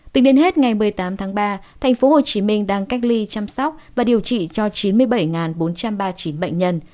tính đến hết ngày một mươi tám tháng ba tp hcm đang cách ly chăm sóc và điều trị cho chín mươi bảy bốn trăm ba mươi chín bệnh nhân